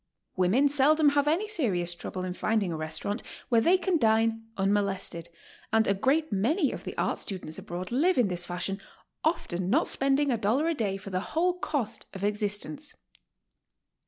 Women seldom have any serious trouble in finding a restaurant where they can dine unmolested, and a great many of the art students abroad live in this fashion, often not spending a dollar a day for the whole cost of exist ence.